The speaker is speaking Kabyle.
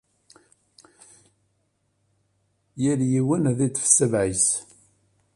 Yal yiwen ad iṭef sabaε-is